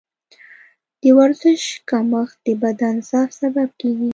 د ورزش کمښت د بدن ضعف سبب کېږي.